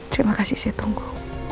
terima kasih saya tunggu